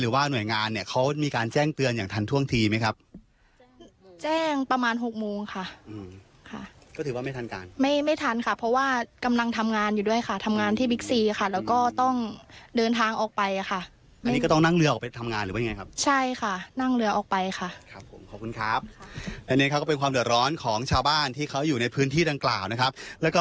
ว่าหน่วยงานเนี่ยเขามีการแจ้งเตือนอย่างทันท่วงทีไหมครับ